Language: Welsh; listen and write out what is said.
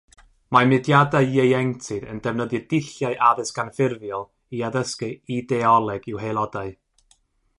Mae mudiadau ieuenctid yn defnyddio dulliau addysg anffurfiol i addysgu ideoleg i'w haelodau.